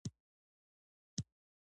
ایا درد مو دروند دی؟